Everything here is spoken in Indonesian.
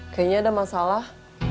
kayaknya ada masalah